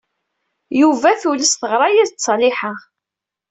Yuba tules teɣra-as-d Ṣaliḥa.